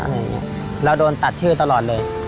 เราโดนตัดชื่อตลอดเลย